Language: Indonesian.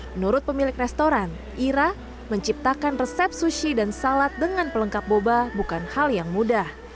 menurut pemilik restoran ira menciptakan resep sushi dan salad dengan pelengkap boba bukan hal yang mudah